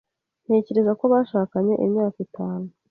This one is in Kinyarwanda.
Ntekereza ko bashakanye imyaka itanu.